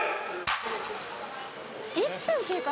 １分経過！？